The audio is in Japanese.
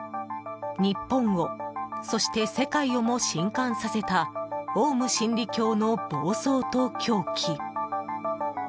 日本をそして世界をも震撼させたオウム真理教の暴走と狂気。